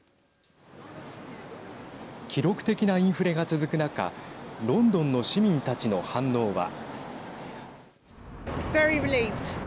記録的なインフレが続く中ロンドンの市民たちの反応は。